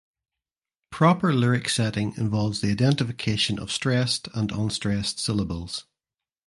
Proper lyric setting involves the identification of stressed and unstressed syllables.